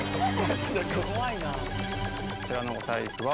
こちらのお財布は。